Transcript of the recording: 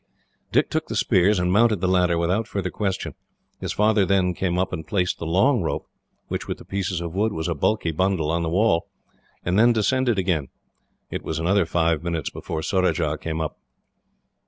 Dick took the spears, and mounted the ladder without further question. His father then came up and placed the long rope, which, with the pieces of wood, was a bulky bundle, on the wall and then descended again. It was another five minutes before Surajah came up.